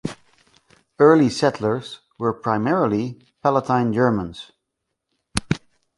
Early settlers were primarily Palatine Germans.